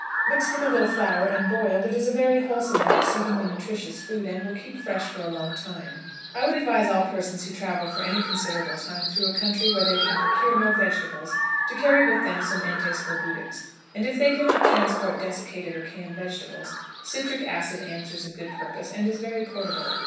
Mixed with a little flour and boiled, it is a very wholesome and exceedingly nutritious food, and will keep fresh for a long time. I would advise all persons who travel for any considerable time through a country where they can procure no vegetables to carry with them some antiscorbutics, and if they can not transport desiccated or canned vegetables, citric acid answers a good purpose, and is very portable.